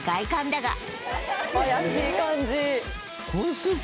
怪しい感じ